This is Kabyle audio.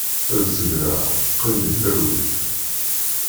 Ad zegreɣ, qqim di talwit.